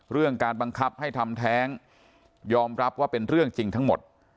เรื่องการบังคับให้ทำแท้งยอมรับว่าเป็นเรื่องจริงทั้งหมด